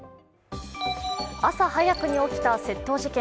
朝早くに起きた窃盗事件。